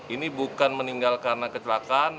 ini bukan meninggal karena kecelakaan